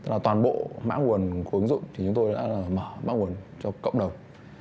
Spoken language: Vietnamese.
mã nguồn của ứng dụng thì chúng tôi đã mở mã nguồn cho cộng đồng